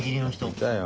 いたよ